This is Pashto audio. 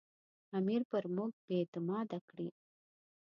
امیر پر موږ بې اعتماده کړي.